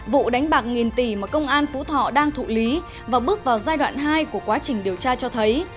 vụ đánh bạc nghìn tỷ mà công an phú thọ đang thụ lý và bước vào giai đoạn hai của quá trình điều tra cho thấy